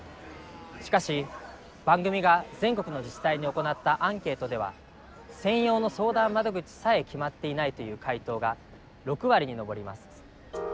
しかし番組が全国の自治体に行ったアンケートでは専用の相談窓口さえ決まっていないという回答が６割に上ります。